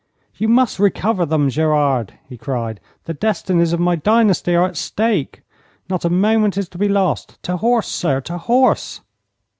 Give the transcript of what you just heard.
'You must recover them, Gerard!' he cried. 'The destinies of my dynasty are at stake. Not a moment is to be lost! To horse, sir, to horse!'